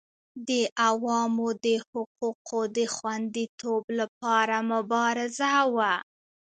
د عوامو د حقوقو د خوندیتوب لپاره مبارزه وه.